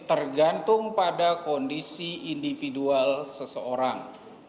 tergantung pada kondisi individual seseorang